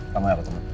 kamu apa teman